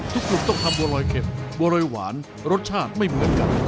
กลุ่มต้องทำบัวรอยเข็ดบัวรอยหวานรสชาติไม่เหมือนกัน